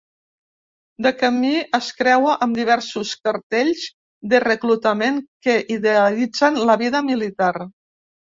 De camí, es creua amb diversos cartells de reclutament que idealitzen la vida militar.